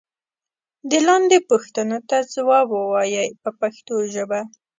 دې لاندې پوښتنو ته ځواب و وایئ په پښتو ژبه.